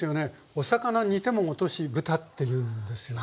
お魚煮ても落としぶたって言うんですよね？